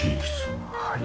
はい。